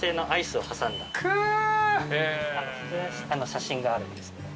写真があるんですけど。